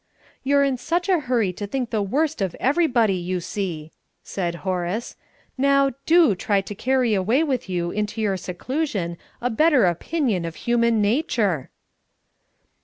"You're in such a hurry to think the worst of everybody, you see!" said Horace. "Now, do try to carry away with you into your seclusion a better opinion of human nature."